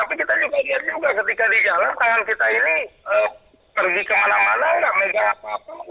tapi kita juga lihat juga ketika di jalan tangan kita ini pergi kemana mana nggak megang apa apa